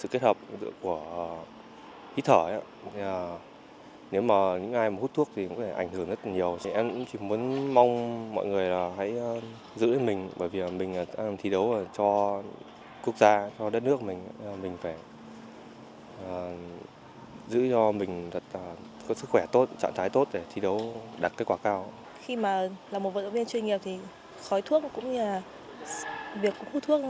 khi mà là một vận động viên chuyên nghiệp thì khói thuốc cũng như là việc hút thuốc